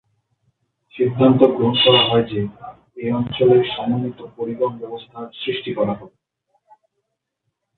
সিদ্ধান্ত গ্রহণ করা হয় যে, এ অঞ্চলে সমন্বিত পরিবহণ ব্যবস্থা সৃষ্টি করা হবে।